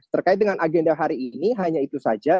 terkait dengan agenda hari ini hanya itu saja